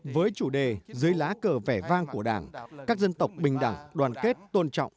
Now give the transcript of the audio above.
với chủ đề dưới lá cờ vẻ vang của đảng các dân tộc bình đẳng đoàn kết tôn trọng